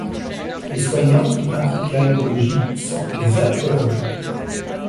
Les soignants qui pratiquent l'alcoologie sont les alcoologues.